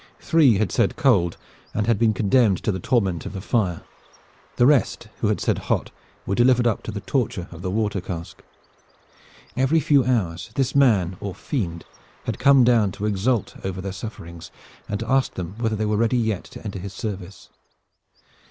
Three had said cold, and had been condemned to the torment of the fire. The rest who had said hot were delivered up to the torture of the water cask. Every few hours this man or fiend had come down to exult over their sufferings and to ask them whether they were ready yet to enter his service.